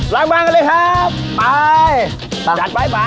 ล้างบางกันเลยครับไป